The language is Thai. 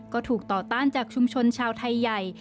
ก็ถูกต่อต้านจากชุมชนชาวไทยใหญ่